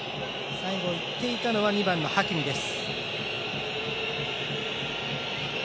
最後、いっていたのは２番のハキミです。